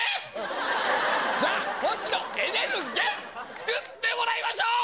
じゃあ星野エネル源作ってもらいましょう！